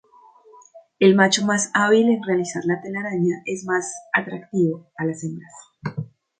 El macho más hábil en realizar la telaraña es más "atractivo" a las hembras.